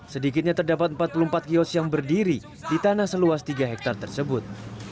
sedikitnya terdapat empat puluh empat kios yang berdiri di tanah seluas tiga hektare tersebut